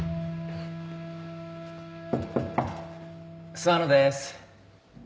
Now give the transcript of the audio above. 諏訪野です。